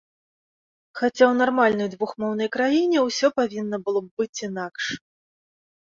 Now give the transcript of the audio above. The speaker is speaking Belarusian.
Хаця ў нармальнай двухмоўнай краіне ўсё павінна было б быць інакш.